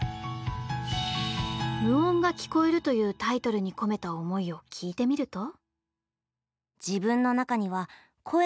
「無音が聴こえる」というタイトルに込めた思いを聞いてみると。